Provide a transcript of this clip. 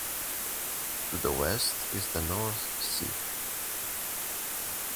To the west is the North Sea.